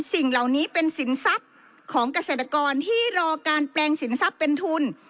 สิ่งเหล่านี้เป็นสินทรัพย์ของเกษตรกรที่รอการแปลงสินทรัพย์เป็นทุน